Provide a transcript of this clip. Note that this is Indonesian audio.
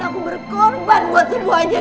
aku berkorban buat semuanya